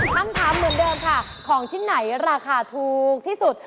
คำถามเหมือนเดิมค่ะของชิ้นไหนราคาถูกที่สุด